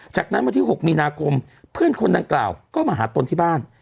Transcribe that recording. จากนั้นวันที่๖มีนาคมเพื่อนคนดังกล่าวก็มาหาตนที่บ้าน